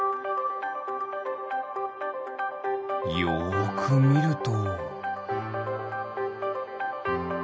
よくみると。